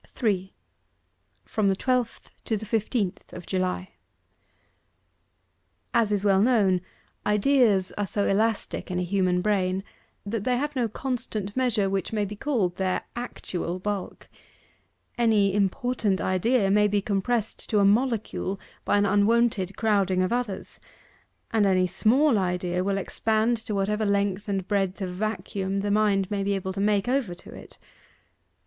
3. FROM THE TWELFTH TO THE FIFTEENTH OF JULY As is well known, ideas are so elastic in a human brain, that they have no constant measure which may be called their actual bulk. Any important idea may be compressed to a molecule by an unwonted crowding of others; and any small idea will expand to whatever length and breadth of vacuum the mind may be able to make over to it.